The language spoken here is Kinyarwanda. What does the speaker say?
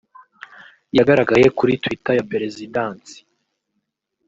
yagaragaye kuri Twitter ya Perezidansi